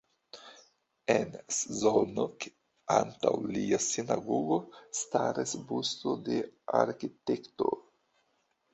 En Szolnok antaŭ lia sinagogo staras busto de la arkitekto.